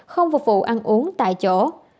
không phục vụ ăn uống tại chỗ